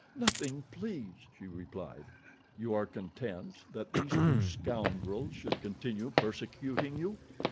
"Nothing, please," she replied. "You are content that these two scoundrels should continue persecuting you?"